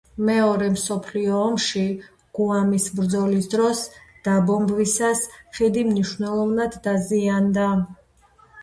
მეორე მსოფლიო ომში გუამის ბრძოლის დროს დაბომბვისას ხიდი მნიშვნელოვნად დაზიანდა.